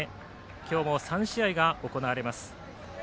今日も３試合が行われます。